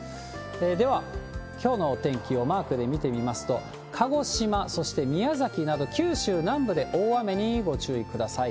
では、きょうのお天気をマークで見てみますと、鹿児島、そして宮崎など、九州南部で大雨にご注意ください。